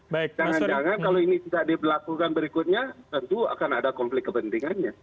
jangan jangan kalau ini tidak diberlakukan berikutnya tentu akan ada konflik kepentingannya